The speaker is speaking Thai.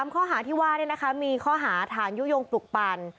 ข้อหาที่ว่ามีข้อหาฐานยุโยงปลุกปั่น